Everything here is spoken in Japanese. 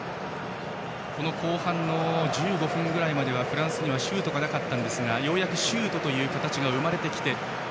この後半の１５分くらいまではフランスにはシュートがなかったんですがようやくシュートという形が生まれてきて。